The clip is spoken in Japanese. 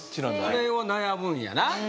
これを悩むんやな